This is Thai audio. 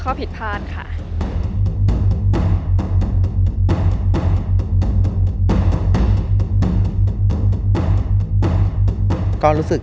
๓๓๐ครับนางสาวปริชาธิบุญยืน